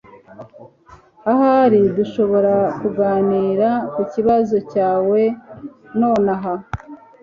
Ahari dushobora kuganira kukibazo cyawe nonaha